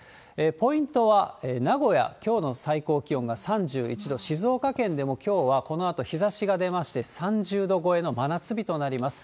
ポイントは名古屋、きょうの最高気温が３１度、静岡県でもきょうはこのあと日ざしが出まして、３０度超えの真夏日となります。